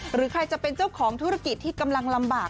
หรือใครจะเป็นเจ้าของธุรกิจที่กำลังลำบาก